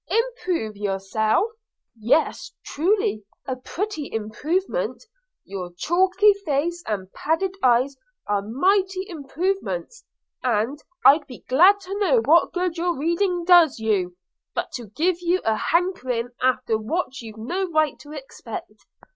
'Improve yourself!' – Yes, truly, a pretty improvement – Your chalky face and padded eyes are mighty improvements: and I'd be glad to know what good your reading does you, but to give you a hankering after what you've no right to expect?